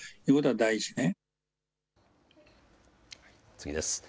次です。